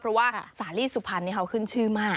เพราะว่าสาลีสุพรรณนี่เขาขึ้นชื่อมาก